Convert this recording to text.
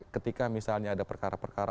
ketika misalnya ada perkara perkara